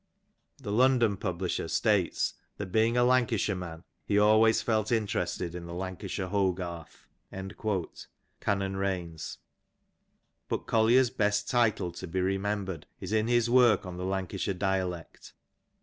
The London publisher states that being a Lanca *' shire man he always felt interested in the Lancashire Hogarth."^ (B.) But Collier's best title to be remembered is in his work on the Lancashire Dialect.